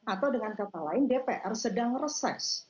atau dengan kata lain dpr sedang reses